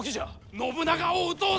信長を討とうぞ！